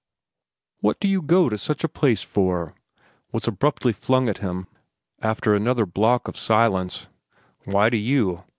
"What do you go to such a place for?" was abruptly flung at him after another block of silence. "Why do you?"